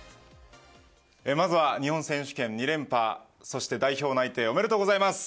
まずは日本選手権２連覇そして代表内定おめでとうございます。